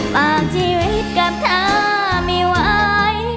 ฝากชีวิตกับเธอไม่ไหว